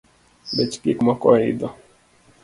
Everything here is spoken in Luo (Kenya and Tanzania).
Bech gikmoko oidho